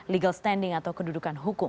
legal standing atau kedudukan hukum